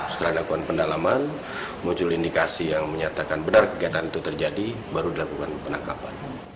setelah dilakukan pendalaman muncul indikasi yang menyatakan benar kegiatan itu terjadi baru dilakukan penangkapan